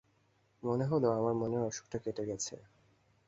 মনে হল আমার মনের অসুখটা কেটে গেছে।